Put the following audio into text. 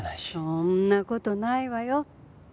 そんな事ないわよ。